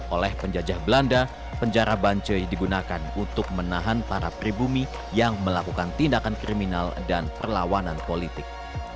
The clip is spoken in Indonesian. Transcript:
oleh penjajah belanda penjara banchei digunakan untuk menahan para pribumi yang melakukan tindakan kriminal dan perlawanan politik